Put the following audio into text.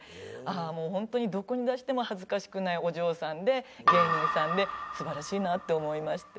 もうホントにどこに出しても恥ずかしくないお嬢さんで芸人さんで素晴らしいなって思いまして。